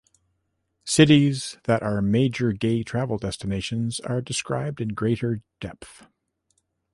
Cities that are major gay travel destinations are described in greater depth.